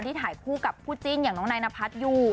ถ่ายคู่กับคู่จิ้นอย่างน้องนายนพัฒน์อยู่